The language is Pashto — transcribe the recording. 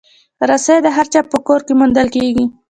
رسۍ د هر چا په کور کې موندل کېږي.